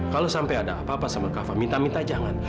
kalau sampai ada apa apa sama kafa minta minta jangan